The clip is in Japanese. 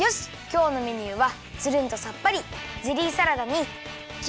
きょうのメニューはつるんとさっぱりゼリーサラダにきまり！